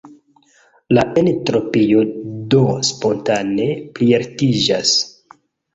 La entropio do spontane plialtiĝas.